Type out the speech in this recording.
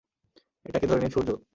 এটাকে ধরে নিন সূর্য।